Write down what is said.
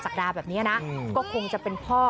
ดาแบบนี้นะก็คงจะเป็นพ่อ